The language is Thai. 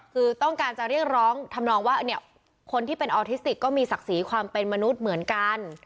คือต้องการจะเรียกร้องทำนองว่าเนี่ยคนที่เป็นออทิสติกก็มีศักดิ์ศรีความเป็นมนุษย์เหมือนกัน